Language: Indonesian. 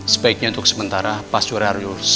sebaiknya untuk sementara pak suria harus